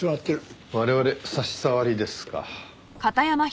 我々差し障りですか。